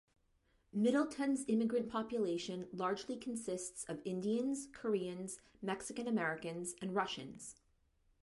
Middletown's immigrant population largely consists of Indians, Koreans, Mexican Americans and Russians.